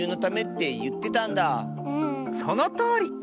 そのとおり！